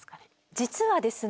実はですね